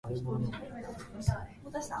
飛ぶに禽あり